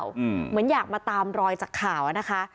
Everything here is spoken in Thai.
เหมือนอยากมาตามรอยจากข่าวอ่ะนะคะ